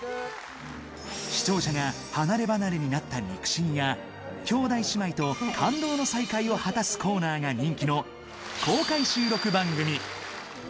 視聴者が離れ離れになった肉親や、兄弟姉妹と感動の再会を果たすコーナーが人気の、公開収録番組。